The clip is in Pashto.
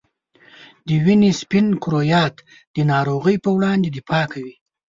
د وینې سپین کرویات د ناروغۍ په وړاندې دفاع کوي.